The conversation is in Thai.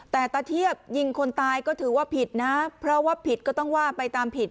แต่ตะเทียบยิงคนตายก็ถือว่าผิดนะเพราะว่าผิดก็ต้องว่าไปตามผิด